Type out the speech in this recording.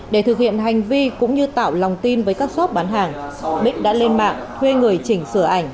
để thực hiện hành vi cũng như tạo lòng tin với các shop bán hàng bích đã lên mạng thuê người chỉnh sửa ảnh